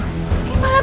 eh malah bengong